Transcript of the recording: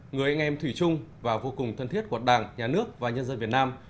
người anh em thủy chung và vô cùng thân thiết của đảng nhà nước và nhân dân việt nam